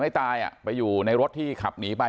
คือทำกับลูกสาวเขาน้องสาวเขาขนาดนี้เนี้ย